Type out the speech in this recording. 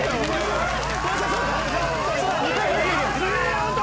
スリーアウト！